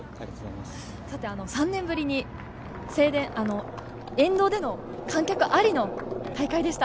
さて、３年ぶりに沿道での観客ありの大会でした。